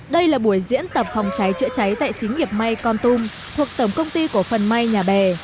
đây là buổi diễn tập phòng cháy chữa cháy tại xí nghiệp may con tum thuộc tổng công ty cổ phần may nhà bè